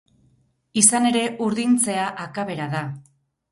Izan ere, urdintzea akabera da.